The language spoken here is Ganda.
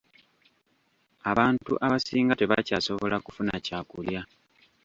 Abantu abasinga tebakyasobola kufuna kyakulya.